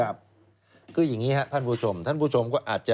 ค่ะคืออย่างนี้ว่าทำไมครับท่านผู้ชม